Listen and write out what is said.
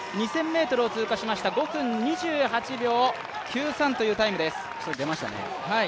２０００ｍを通過しました５分２８秒９３というタイムです。